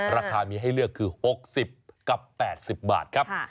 ราคามีให้เลือกคือ๖๐กับ๘๐บาทครับ